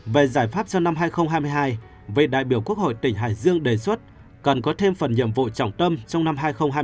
về giải pháp cho năm hai nghìn hai mươi hai vị đại biểu quốc hội tỉnh hải dương đề xuất cần có thêm phần nhiệm vụ trọng tâm trong năm hai nghìn hai mươi bốn